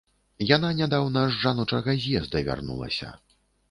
Яна нядаўна з жаночага з'езда вярнулася.